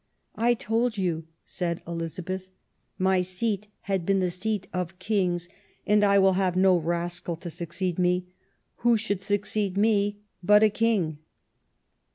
" I told you," said Elizabeth, " my seat had been the seat of Kings, and I will have no rascal to succeed me; who should succeed me but a King?